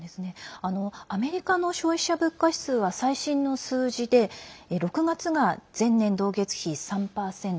アメリカの消費者物価指数は最新の数字で６月が前年同月比３％。